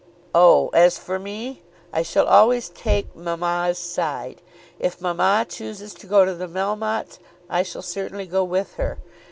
"Oh, as for me, I shall always take mamma's side. If mamma chooses to go to the Melmottes I shall certainly go with her.